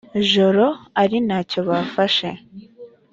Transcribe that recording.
joro ari nta cyo bafashe